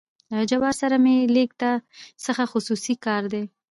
له جبار سره مې لېږ څه خصوصي کار دى.